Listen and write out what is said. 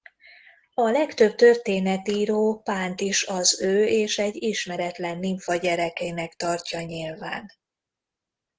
A legtöbb történetíró Pánt is az ő és egy ismeretlen nimfa gyerekének tartja nyilván.